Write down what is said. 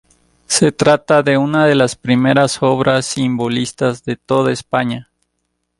Se trata de una de las primeras obras simbolistas de toda España.